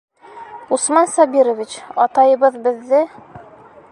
Усман Сабирович, атайыбыҙ беҙҙе...